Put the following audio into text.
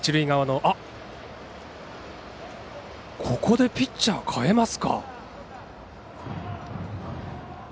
ここでピッチャーを代えますか。